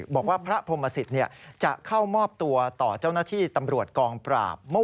บอกว่าพระพรมศิษย์จะเข้ามอบตัวต่อเจ้าหน้าที่ตำรวจกองปราบ